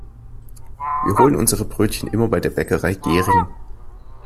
Wir holen unsere Brötchen immer bei der Bäckerei Gehring.